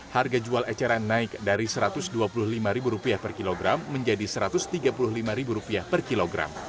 harga jual eceran naik dari rp satu ratus dua puluh lima per kilogram menjadi rp satu ratus tiga puluh lima per kilogram